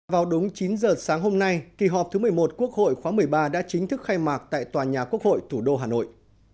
vào đúng chín giờ sáng hôm nay kỳ họp thứ một mươi một quốc hội khóa một mươi ba đã chính thức khai mạc tại tòa nhà quốc hội thủ đô hà nội